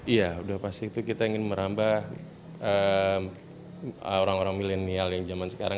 iya udah pasti itu kita ingin merambah orang orang milenial yang zaman sekarang